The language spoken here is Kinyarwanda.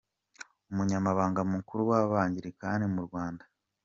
Umunyamabanga Mukuru w’Abangilikani mu Rwanda, Rev.